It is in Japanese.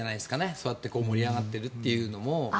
そうやって盛り上がっているというのも。